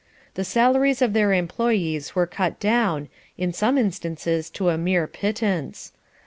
The salaries of their employe's were cut down, in some instances to a mere pittance.